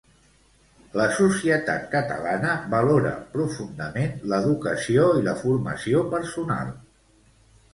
La societat catalana valora profundament l'educació i la formació personal.